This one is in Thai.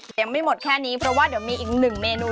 ยังไม่หมดแค่นี้เพราะว่าเดี๋ยวมีอีกหนึ่งเมนู